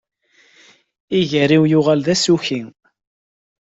Iger-iw yuɣal d asuki